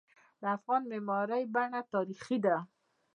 د افغان معماری بڼه تاریخي ده.